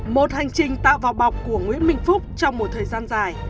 một hành trình tạo vào bọc của nguyễn minh phúc trong một thời gian dài